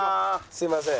すいません。